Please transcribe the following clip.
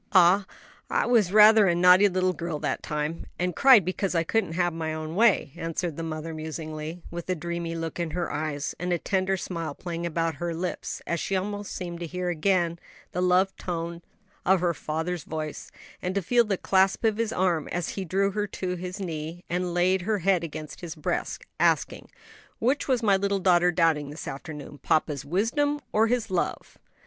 '" "Ah, I was rather a naughty little girl that time, and cried because I couldn't have my own way," answered the mother musingly, with a dreamy look in her eyes and a tender smile playing about her lips as she almost seemed to hear again the loved tones of her father's voice, and to feel the clasp of his arm as he drew her to his knee and laid her head against his breast, asking, "Which was my little daughter doubting, this afternoon papa's wisdom, or his love?"